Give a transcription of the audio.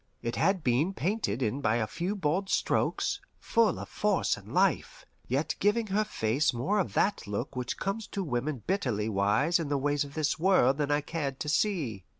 It had been painted in by a few bold strokes, full of force and life, yet giving her face more of that look which comes to women bitterly wise in the ways of this world than I cared to see.